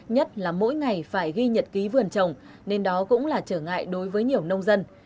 nhất là mỗi ngày phải ghi nhật ký vườn trồng nên đó cũng là trở ngại đối với nhiều nông dân